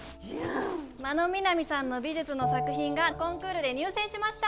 真野みなみさんの美術の作品がコンクールで入選しました！